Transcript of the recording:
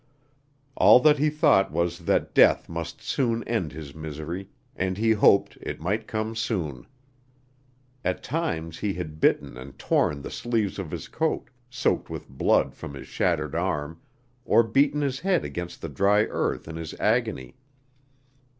All that he thought was that death must soon end his misery, and he hoped it might come soon. At times he had bitten and torn the sleeves of his coat, soaked with blood from his shattered arm, or beaten his head against the dry earth in his agony.